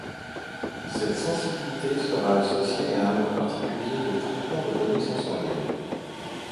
Cette sensibilité serait associée à un mode particulier de traitement des données sensorielles.